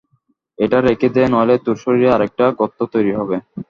এটা রেখে দে, নইলে তোর শরীরে আরেকটা গর্ত তৈরি হবে।